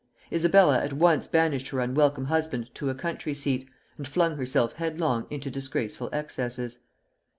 Isabella at once banished her unwelcome husband to a country seat, and flung herself headlong into disgraceful excesses.